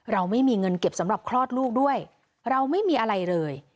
เราไม่มีเงินเก็บสำหรับคลอดลูกด้วยเราไม่มีอะไรเลย